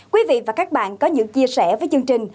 quý vị và các bạn có những chia sẻ với chương trình